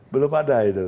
belum ada itu